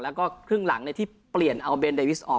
แล้วก็ครึ่งหลังที่เปลี่ยนเอาเบนเดวิสออก